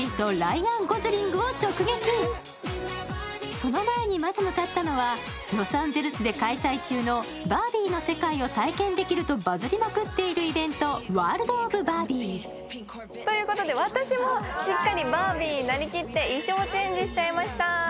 その前にまず向かったのはロサンゼルスで開催中のバービーの世界を体験できるとバズりまくっているイベント、ワールド・オブ・バービー。ということで、私もしっかりバービーになりきって、衣装チェンジしちゃいました。